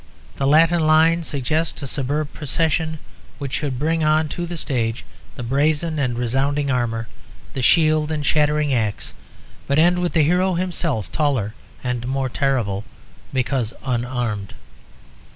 The Latin line suggests a superb procession which should bring on to the stage the brazen and resounding armour, the shield and shattering axe, but end with the hero himself, taller and more terrible because unarmed.